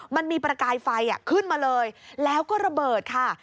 มันมีประกายไฟขึ้นมาเลยแล้วก็ระเบิดค่ะ